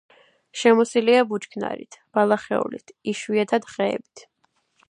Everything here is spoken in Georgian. შემოსილია ბუჩქნარით, ბალახეულით, იშვიათად ხეებით.